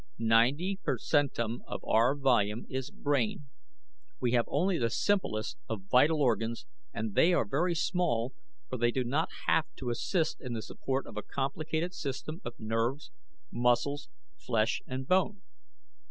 Ninety per centum of our volume is brain. We have only the simplest of vital organs and they are very small for they do not have to assist in the support of a complicated system of nerves, muscles, flesh and bone.